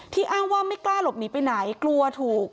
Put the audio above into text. อ้างว่าไม่กล้าหลบหนีไปไหนกลัวถูก